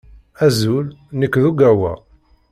Azul. Nekk d Ogawa.